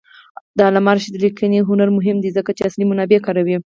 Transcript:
د علامه رشاد لیکنی هنر مهم دی ځکه چې اصلي منابع کاروي.